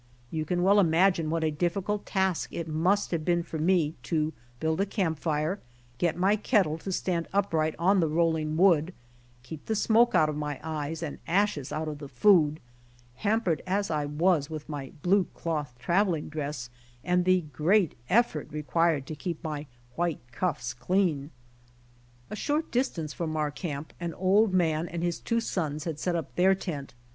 You can well imagine what a difficult task it must have been for me to build a campfire, get my kettle to stand upright on the rolling wood, keep the smoke out of my eyes and ashes out of the food, hampered as I was with my blue cloth traveling dress and the great effort required to keep my white cuffs clean. A short distance from our camp an old man and his two sons had set up their tent.